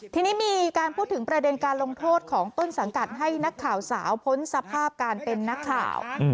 ทีนี้มีการพูดถึงประเด็นการลงโทษของต้นสังกัดให้นักข่าวสาวพ้นสภาพการเป็นนักข่าว